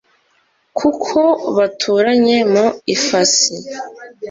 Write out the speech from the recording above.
kuko baturanye mu ifasi